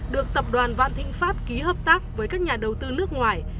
được tập đoàn vạn thịnh pháp ký hợp tác với các nhà đầu tư nước ngoài